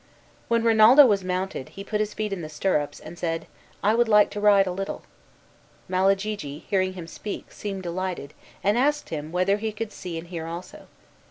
Wher Rinaldo was mounted, he put his feet in the stirrups, and said, "I would like to ride a little." Malagigi, hearing him speak, seemed delighted, and asked him whether he could see and hear also.